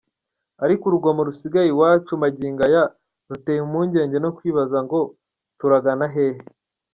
Ariko urugomo rusigaye iwacu magingo aya ruteye impungenge no kwibaza ngo turagana hehe?